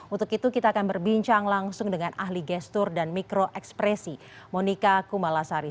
untuk itu kita akan berbincang langsung dengan ahli gestur dan mikro ekspresi monika kumalasari